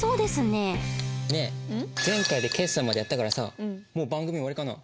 ねえ前回で決算までやったからさもう番組終わりかな？